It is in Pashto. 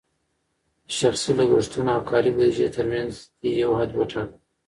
د شخصي لګښتونو او کاري بودیجې ترمنځ دې یو حد وټاکه.